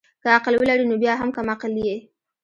که عقل ولري نو بيا هم کم عقل يي